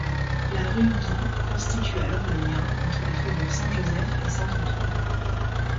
La rue Guy constitue alors le lien entre les faubourgs Saint-Joseph et Saint-Antoine.